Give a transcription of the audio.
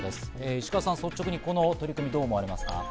石川さん、率直にこの取り組み、どう思われますか？